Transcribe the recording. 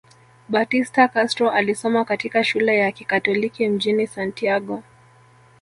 Batista Castro alisoma katika shule ya kikatoliki mjini Santiago